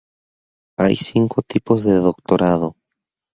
Hay cinco tipos de doctorado.